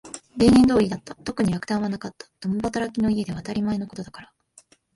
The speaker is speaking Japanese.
例年通りだった。特に落胆はなかった。共働きの家では当たり前のことだから。